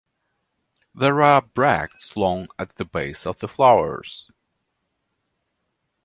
There are bracts long at the base of the flowers.